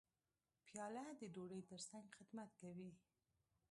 پیاله د ډوډۍ ترڅنګ خدمت کوي.